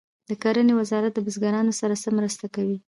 د کرنې وزارت له بزګرانو سره څه مرسته کوي؟